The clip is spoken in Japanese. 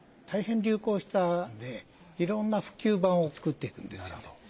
たいへん流行したんでいろんな普及版を作っていくんですよね。